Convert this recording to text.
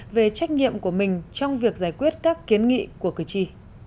về trách nhiệm của mình trong việc giải quyết các kiến nghị của cử tri